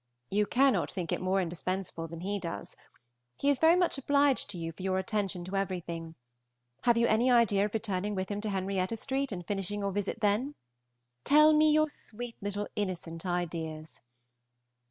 You cannot think it more indispensable than he does. He is very much obliged to you for your attention to everything. Have you any idea of returning with him to Henrietta Street and finishing your visit then? Tell me your sweet little innocent ideas.